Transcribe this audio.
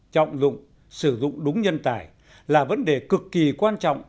trọng dụng sử dụng đúng nhân tài là vấn đề cực kỳ quan trọng